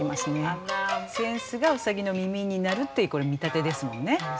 あら扇子が兎の耳になるっていうこれ見立てですもんね。